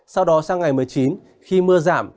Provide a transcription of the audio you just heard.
sau đó sang ngày một mươi chín khi mưa giảm